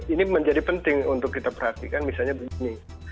ini menjadi penting untuk kita perhatikan misalnya begini